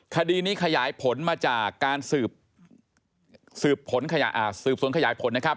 คดีนี้ขยายผลมาจากการสืบสวนขยายผลนะครับ